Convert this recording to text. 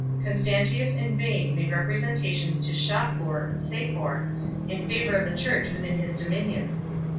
Con stantius in vain made representations to Shahpoor (Sapor) in favour of the Church within his dominions.